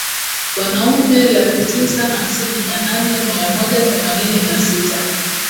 Wanaume laki tisa hamsini na nane mia moja themanini na sita